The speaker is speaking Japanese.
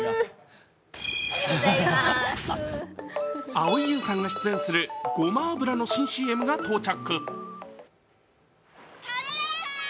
蒼井優さんが出演するごま油の新ＣＭが到着。